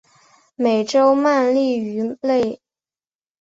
美洲鳗鲡鱼类。